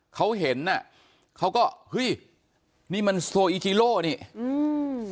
เขาเห็นน่ะเขาก็เฮ้ยนี่มันโซอีจีโล่นี่อืม